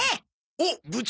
おっ部長